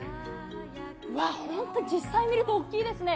わ、本当に、実際見ると大きいですね。